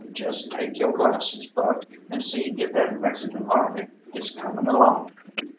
Jest take yo' glasses, Buck, and see if that Mexican army is coming along."